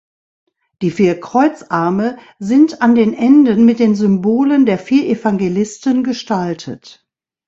Die vier Kreuzarme sind an den Enden mit den Symbolen der vier Evangelisten gestaltet.